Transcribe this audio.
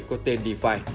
có tên defi